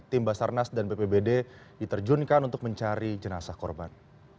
tim basarnas dan bpbd diterjunkan untuk mencari jenazah korban